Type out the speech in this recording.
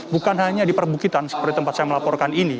bukan hanya di perbukitan seperti tempat saya melaporkan ini